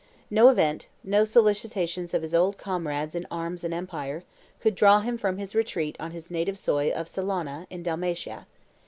No event, no solicitations of his old comrades in arms and empire, could draw him from his retreat on his native soil of Salona, in Dalmatia.